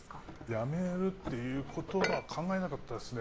やめるっていうことは考えなかったですね。